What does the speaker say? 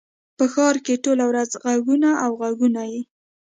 په ښار کښي ټوله ورځ ږغونه او ږغونه يي.